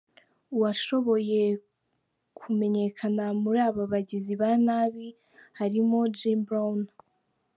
Uwashoboye kumenyekana muri aba bagizi ba nabi harimo Jim Broun.